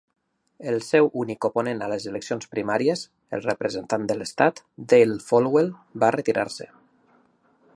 El seu únic oponent a les eleccions primàries, el representant de l'Estat, Dale Folwell, va retirar-se.